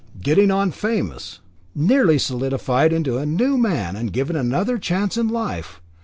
Getting on famous. Nearly solidified into a new man; and given another chance in life.